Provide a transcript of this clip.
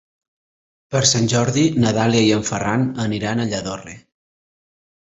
Per Sant Jordi na Dàlia i en Ferran aniran a Lladorre.